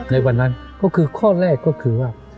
ในวันนั้นก็คือข้อแรกก็คือว่า